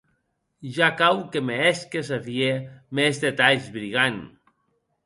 Ja cau que me hèsques a vier mès detalhs, brigand.